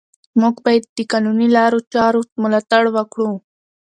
موږ باید د قانوني لارو چارو ملاتړ وکړو